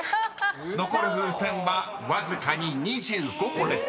［残る風船はわずかに２５個です］